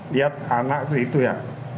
lihat anak itu ya